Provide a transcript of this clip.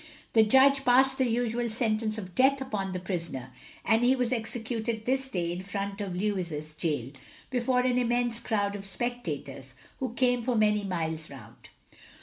The judge passed the usual sentence of death upon the prisoner, and he was executed this day in front of Lewes Gaol, before an immense crowd of spectators, who came for many miles round.